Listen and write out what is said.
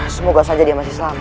semoga saja dia masih selamat